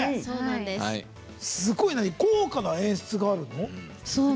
すごい豪華な演出があるの？